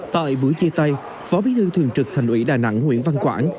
tại buổi chia tay phó bí thư thường trực thành ủy đà nẵng nguyễn văn quảng